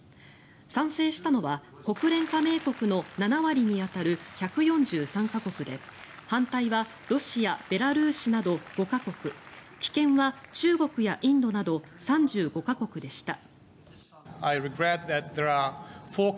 賛成したのは国連加盟国の７割に当たる１４３か国で反対はロシア、ベラルーシなど５か国棄権は中国やインドなど３５か国でした。